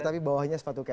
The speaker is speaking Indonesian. tapi bawahnya sepatu kain